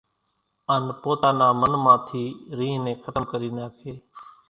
ان پوتا نا من مان ٿي رينۿ نين ختم ڪري ناکي،